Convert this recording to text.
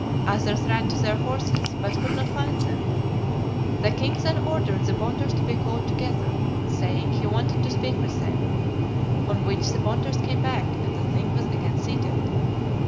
Others ran to their horses, but could not find them. The king then ordered the Bonders to be called together, saying he wanted to speak with them; on which the Bonders came back, and the Thing was again seated.